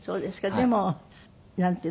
でもなんていうの？